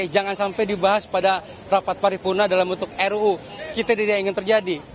jangan sampai dibahas pada rapat paripurna dalam bentuk ruu kita tidak ingin terjadi